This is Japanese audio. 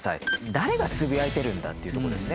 誰がつぶやいてるんだっていうとこですね。